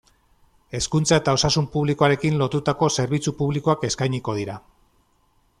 Hezkuntza eta osasun publikoarekin lotutako zerbitzu publikoak eskainiko dira.